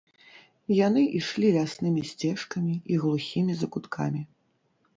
Яны ішлі ляснымі сцежкамі і глухімі закуткамі.